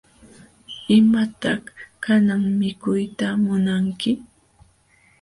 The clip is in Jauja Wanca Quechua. ¿Imataq kanan mikuyta munanki?